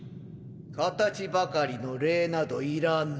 形ばかりの礼などいらぬ。